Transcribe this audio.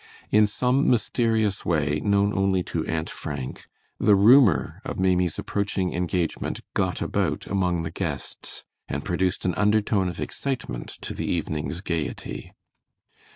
In some mysterious way, known only to Aunt Frank, the rumor of Maimie's approaching engagement got about among the guests and produced an undertone of excitement to the evenings gayety.